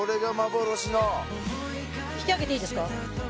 引き上げていいですか？